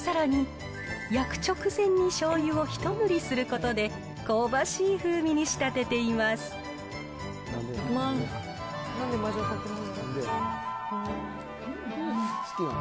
さらに、焼く直前にしょうゆを一塗りすることで、香ばしい風味に仕立てていただきます。